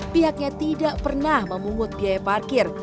pihaknya tidak pernah memungut biaya parkir